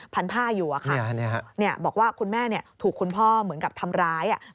พันผ้าอยู่อะค่ะเนี่ยบอกว่าคุณแม่เนี่ยถูกคุณพ่อเหมือนกับทำร้ายอะ